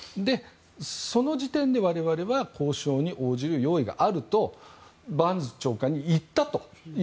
その時点で我々は交渉に応じる用意があるとバーンズ長官に言ったという。